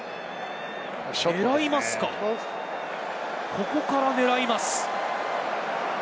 ここから狙います。